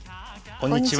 こんにちは。